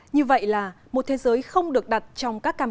như vậy là một thế giới không được đặt trong các cam